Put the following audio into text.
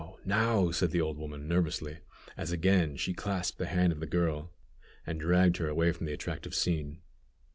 now!" said the old woman, nervously, as again she clasped the hand of the girl, and dragged her away from the attractive scene.